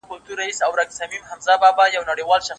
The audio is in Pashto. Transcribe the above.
پرې مي ږده چي وژاړم په اوښکو کي ښاغلی یم